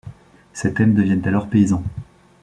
Ses thèmes deviennent alors paysans.